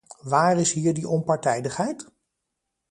Waar is hier de onpartijdigheid?